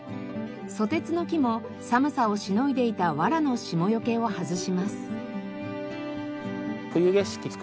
ソテツの木も寒さをしのいでいたわらの霜よけを外します。